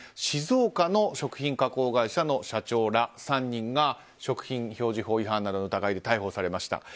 静岡の食品加工会社の社長ら３人が食品表示法違反などの疑いで逮捕されました。